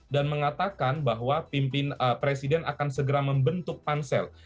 mengatakan bahwa pimpin presiden akan segera membentuk pansel